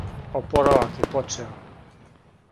Опоравак је почео.